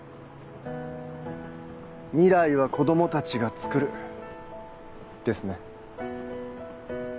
未来は子供たちがつくる。ですね。